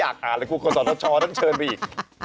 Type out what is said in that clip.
อ่านแล้วคุณคนส่วนรับช้อนั้นเชิญไปอีก